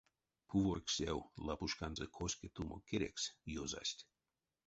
Пуворьксэв лапушканзо коське тумо керекс ёзасть.